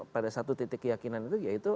pada satu titik keyakinan itu yaitu